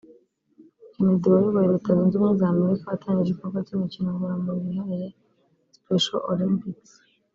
Kennedy wayoboye Leta Zunze Ubumwe z’Amerika watangije ikorwa ry’imikino ngororamubiri yihariye (Special Olympics)